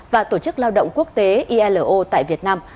và tổ chức lao động quốc tế ilo tại việt nam